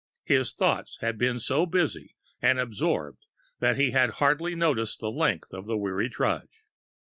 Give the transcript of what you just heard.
His thoughts had been so busy and absorbed that he had hardly noticed the length of weary trudge....